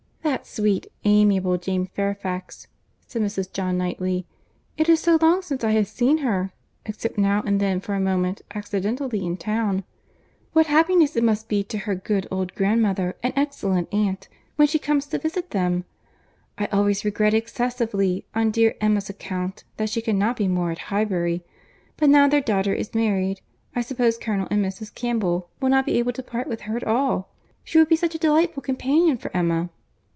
"That sweet, amiable Jane Fairfax!" said Mrs. John Knightley.—"It is so long since I have seen her, except now and then for a moment accidentally in town! What happiness it must be to her good old grandmother and excellent aunt, when she comes to visit them! I always regret excessively on dear Emma's account that she cannot be more at Highbury; but now their daughter is married, I suppose Colonel and Mrs. Campbell will not be able to part with her at all. She would be such a delightful companion for Emma."